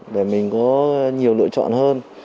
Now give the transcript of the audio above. để mình có nhiều lựa chọn hơn